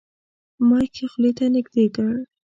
مایک یې خولې ته نږدې کړ.